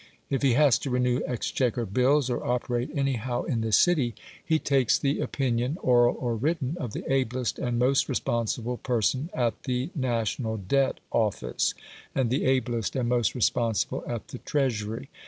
If he has to renew Exchequer bills, or operate anyhow in the City, he takes the opinion, oral or written, of the ablest and most responsible person at the National Debt Office, and the ablest and most responsible at the Treasury.